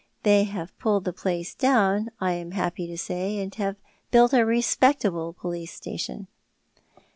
They have pulled the place down, I am hapj^y to say, and built a rcsiDcctablc police station."